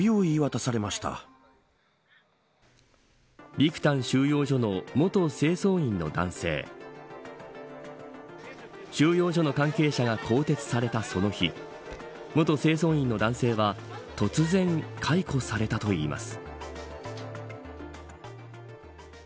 ビクタン収容所の元清掃員の男性収容所の関係者が更迭されたその日元清掃員の男性は突然、解雇されたといいます。